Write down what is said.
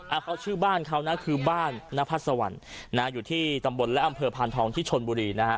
เขาชื่อบ้านเขานะคือบ้านนพัดสวรรค์นะฮะอยู่ที่ตำบลและอำเภอพานทองที่ชนบุรีนะฮะ